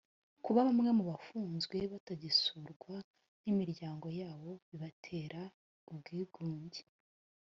kuba bamwe mu bafunzwe batagisurwa n imiryango yabo bikabatera ubwigunge